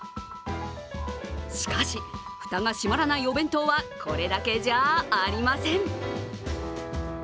しかし、フタが閉まらないお弁当はこれだけじゃありません。